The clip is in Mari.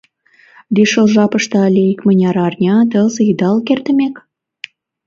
Лишыл жапыштак але икмыняр арня-тылзе-идалык эртымек?